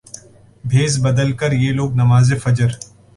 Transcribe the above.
بھیس بدل کریہ لوگ نماز فجر